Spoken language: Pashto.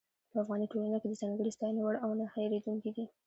په افغاني ټولنه کې د ځانګړې ستاينې وړ او نۀ هېرېدونکي دي.